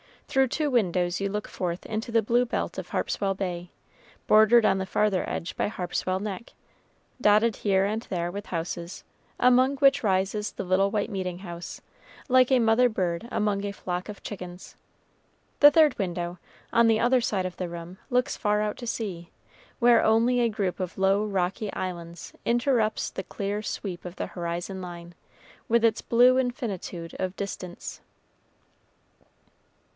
Through two windows you look forth into the blue belt of Harpswell Bay, bordered on the farther edge by Harpswell Neck, dotted here and there with houses, among which rises the little white meeting house, like a mother bird among a flock of chickens. The third window, on the other side of the room, looks far out to sea, where only a group of low, rocky islands interrupts the clear sweep of the horizon line, with its blue infinitude of distance.